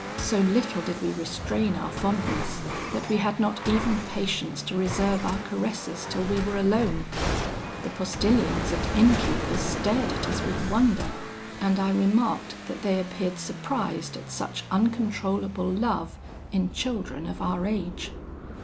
So little did we restrain our fondness, that we had not even patience to reserve our caresses till we were alone. The postilions and innkeepers stared at us with wonder, and I remarked that they appeared surprised at such uncontrollable love in children of our age.